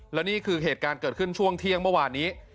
แล้วนี่คือเหตุการณ์เกิดขึ้นช่วงเที่ยงเมื่อวานนี้